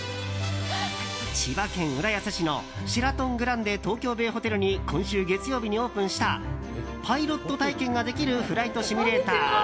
千葉県浦安市のシェラトン・グランデ・トーキョーベイ・ホテルに今週月曜日にオープンしたパイロット体験ができるフライトシミュレーター